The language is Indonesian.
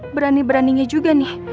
berani beraninya juga nih